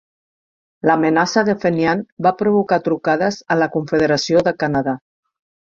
L'amenaça de Fenian va provocar trucades a la confederació de Canadà.